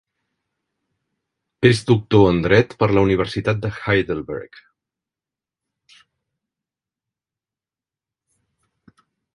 És doctor en dret per la Universitat de Heidelberg.